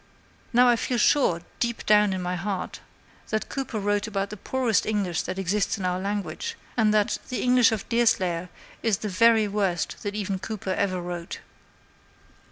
Now I feel sure, deep down in my heart, that Cooper wrote about the poorest English that exists in our language, and that the English of Deerslayer is the very worst that even Cooper ever wrote.